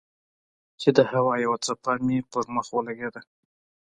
چې د هوا يوه چپه مې پۀ مخ ولګېده